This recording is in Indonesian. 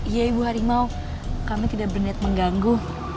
ya ibu harimau kami tidak berniat mengganggu